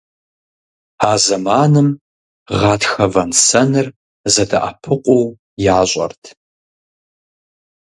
А зэманым гъатхэ вэн-сэныр зэдэӀэпыкъуу ящӀэрт.